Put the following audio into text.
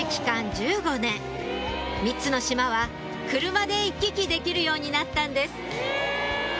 １５年３つの島は車で行き来できるようになったんです